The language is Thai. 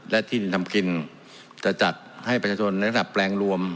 และที่ดินทำกินจะจัดให้ประชาชนในระดับแปลงรวม